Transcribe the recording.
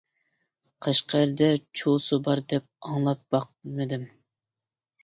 قەشقەردە چۇسا بار دەپ ئاڭلاپ باقمىدىم.